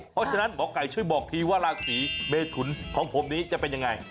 เพราะฉะนั้นหมอไก่ช่วยบอกทีว่าราศีเมทุนของผมนี้จะเป็นยังไง